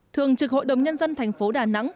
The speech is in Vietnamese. thường trực hội đồng nhân dân tp đà nẵng